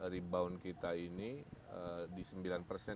rebound kita ini di sembilan persen dua ribu dua puluh satu